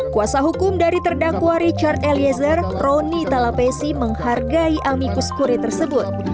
kuasa hukum dari terdakwa richard eliezer roni talapesi menghargai amikus kurir tersebut